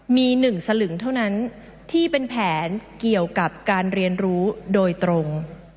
มี๑สลึงเท่านั้นที่เป็นแผนเกี่ยวกับการเรียนรู้โดยตรง